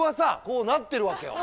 こうなってるわけよ